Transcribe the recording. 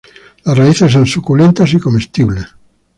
Las raíces son suculentas y comestibles.